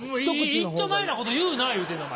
いっちょまえなこと言うな言うてんねんお前。